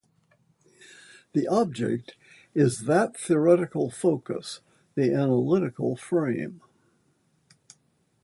The object is that theoretical focus - the analytical frame.